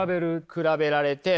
比べられて。